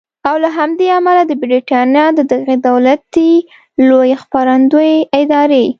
او له همدې امله د بریټانیا د دغې دولتي لویې خپرندویې ادارې